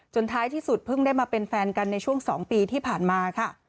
ท้ายที่สุดเพิ่งได้มาเป็นแฟนกันในช่วง๒ปีที่ผ่านมาค่ะ